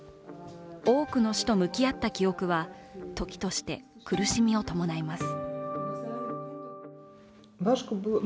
多くの死と向き合った記憶は、時として苦しみを伴います。